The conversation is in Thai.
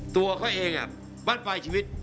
ตัวเขาเองมันไปชีวิต